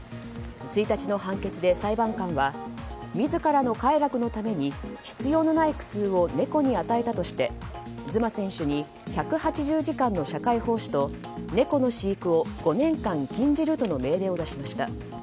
１日の判決で裁判官は自らの快楽のために必要のない苦痛を猫に与えたとしてズマ選手に１８０時間の社会奉仕と猫の飼育を５年間禁じるとの命令を出しました。